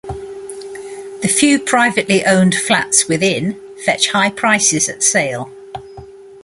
The few privately owned flats within fetch high prices at sale.